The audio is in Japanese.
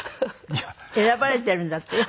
選ばれてるんだって。